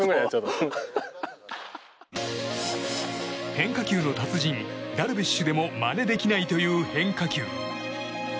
変化球の達人ダルビッシュでもまねできないという変化球。